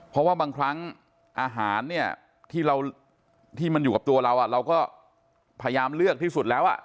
เพราะว่าบางครั้งอาหารเนี่ยที่มันอยู่กับตัวเราเราก็พยายามเลือกที่สุดแล้ว